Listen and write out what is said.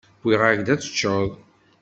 Wwiɣ-ak-d ad teččeḍ.